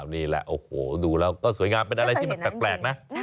นี่แหละโอ้โหดูแล้วก็สวยงามเป็นอะไรที่มันแปลกนะ